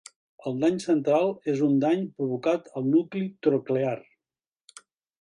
El dany central és un dany provocat al nucli troclear.